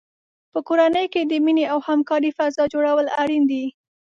په کورنۍ کې د مینې او همکارۍ فضا جوړول اړین دي.